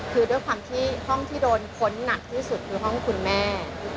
คือด้วยความที่ห้องที่โดนค้นหนักที่สุดคือห้องคุณแม่